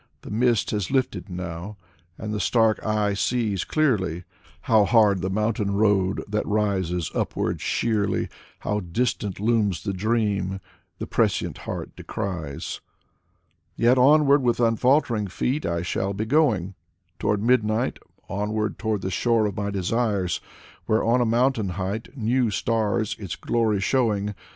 The mist has lifted now, and the stark eye sees clearly How hard the mountain road that rises upward sheerly. How distant looms the dream the prescient heart de scries! • Yet onward with unfaltering feet I shall be going Toward midnight, onward toward the shore of my desires. Where on a mountain height, new stars its glory showing.